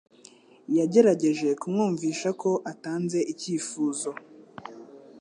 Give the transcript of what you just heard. Yagerageje kumwumvisha ko atanze icyifuzo